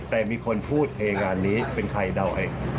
แต่มีคนพูดเองงานนี้เป็นใครเดาเอง